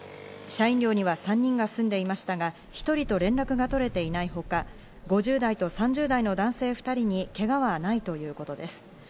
社員寮には３人が住んでいましたが１人と連絡が取れていないほか、５０代と３０代の男性２人にけがはないということです。